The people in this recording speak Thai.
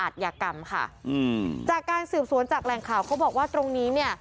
จากการสืบสวนจากแหล่งข่าวเขาบอกว่าตรงนี้